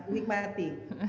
biasa mas bukit mesti